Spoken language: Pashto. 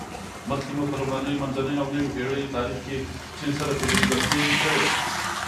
مخکې مو په لومړنیو، منځنیو او نویو پېړیو تاریخ کې چین سره پېژندګلوي کړې.